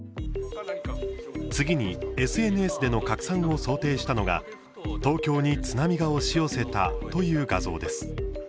次にＳＮＳでの拡散を想定したのが東京に津波が押し寄せたという画像です。